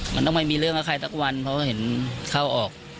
มันไม่ต้องมีเรื่องกับใครทักวันเพราะเขาเห็นเขาออก